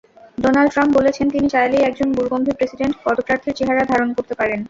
Donald Trump বলেছেন, তিনি চাইলেই একজন গুরুগম্ভীর প্রেসিডেন্ট পদপ্রার্থীর চেহারা ধারণ করতে পারেন।